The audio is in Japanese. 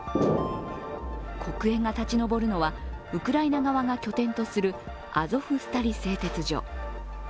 黒煙が立ち上るのは、ウクライナ側が拠点とするアゾフスタリ製鉄所。